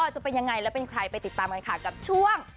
จะเป็นยังไงและเป็นใครไปติดตามกันค่ะกับช่วง